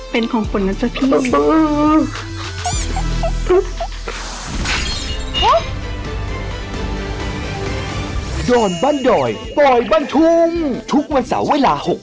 เป็นของฝนนะจ๊ะพี่